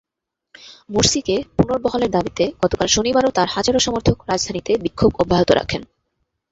মুরসিকে পুনর্বহালের দাবিতে গতকাল শনিবারও তাঁর হাজারো সমর্থক রাজধানীতে বিক্ষোভ অব্যাহত রাখেন।